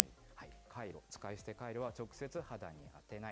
カイロ、使い捨てカイロは、直接肌に当てない。